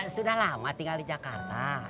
sudah lama tinggal di jakarta